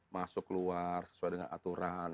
masuk luar sesuai dengan aturan